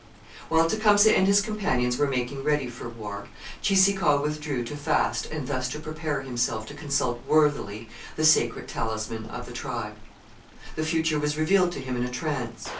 While Tecumseh and his companions were making ready for war, Cheeseekau withdrew to fast and thus to prepare himself to consult worthily the sacred talisman of the tribe. The future was revealed to him in a trance.